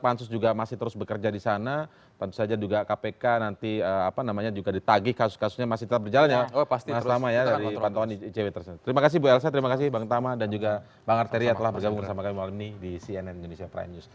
bener bener diistimewakan oleh kpk